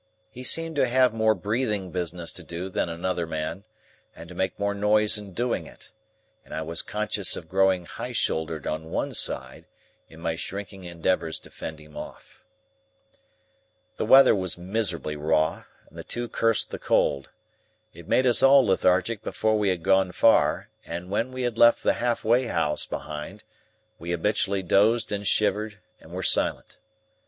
He seemed to have more breathing business to do than another man, and to make more noise in doing it; and I was conscious of growing high shouldered on one side, in my shrinking endeavours to fend him off. The weather was miserably raw, and the two cursed the cold. It made us all lethargic before we had gone far, and when we had left the Half way House behind, we habitually dozed and shivered and were silent.